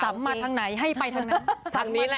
สำมาทั้งไหนให้ไปทั้งไหน